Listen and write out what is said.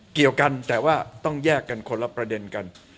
เกี่ยวกันแต่ว่าต้องแยกกันคนละประเด็นกัน